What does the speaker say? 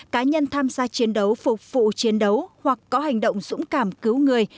cá nhân tham gia chiến đấu phục vụ chiến đấu hoặc có hành động dũng cảm cứu người